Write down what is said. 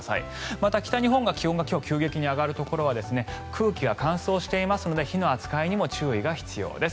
また、北日本で気温が今日急激に上がるところは空気が乾燥していますので火の扱いにも注意が必要です。